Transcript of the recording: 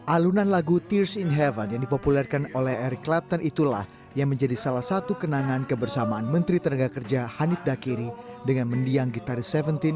alunan lagu tears in haven yang dipopulerkan oleh eric clapton itulah yang menjadi salah satu kenangan kebersamaan menteri tenaga kerja hanif dakiri dengan mendiang gitaris tujuh belas